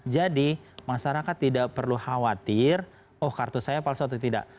jadi masyarakat tidak perlu khawatir oh kartu saya palsu atau tidak